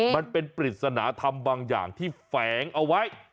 มันเป็นปริศนธรรมบางอย่างที่แฝงเอาไว้